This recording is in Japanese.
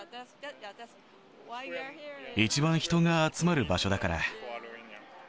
一番人が集まる場所だから。